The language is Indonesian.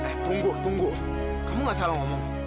eh tunggu tunggu kamu gak salah ngomong